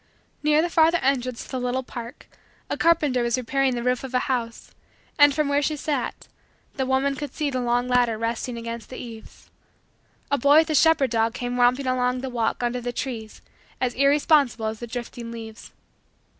Near the farther entrance to the little park, a carpenter was repairing the roof of a house and, from where she sat, the woman could see the long ladder resting against the eaves. A boy with his shepherd dog came romping along the walk under the trees as irresponsible as the drifting leaves.